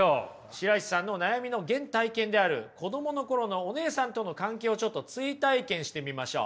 白石さんの悩みの原体験である子どもの頃のお姉さんとの関係をちょっと追体験してみましょう。